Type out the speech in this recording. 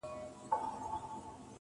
که غنمرنگ ، کښته سي پورته سي,